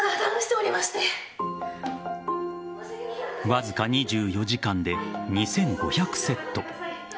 わずか２４時間で２５００セット。